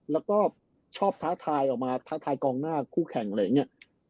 แล้วก็ชอบท้าทายออกมาท้าทายกองหน้าคู่แข่งอะไรอย่างนี้